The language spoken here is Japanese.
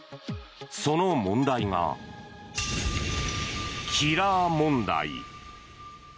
その問題が、キラー問題。